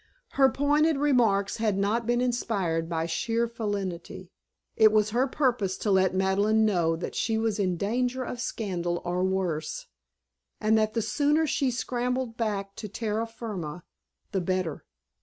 Her pointed remarks had not been inspired by sheer felinity. It was her purpose to let Madeleine know that she was in danger of scandal or worse, and that the sooner she scrambled back to terra firma the better.